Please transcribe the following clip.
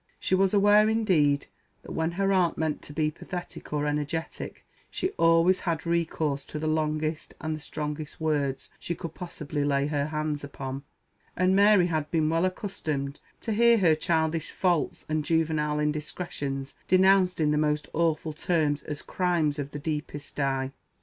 She was aware, indeed, that when her aunt meant to be pathetic or energetic she always had recourse to the longest and the strongest words she could possibly lay her hands upon; and Mary had been well accustomed to hear her childish faults and juvenile indiscretions denounced in the most awful terms as crimes of the deepest dye.